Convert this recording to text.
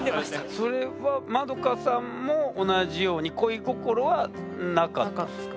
それは円さんも同じように恋心はなかったんですか？